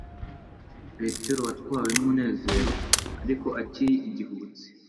Petero watwawe n'umunezero, ariko akiri igihubutsi,